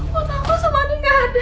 woto aku sama andi gak ada